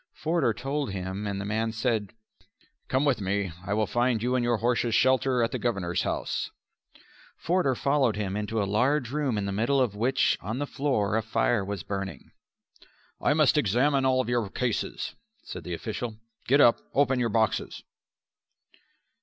Forder told him, and the man said. "Come with me. I will find you and your horses shelter at the Governor's house." Forder followed him into a large room in the middle of which on the floor a fire was burning. "I must examine all your cases," said the official. "Get up. Open your boxes."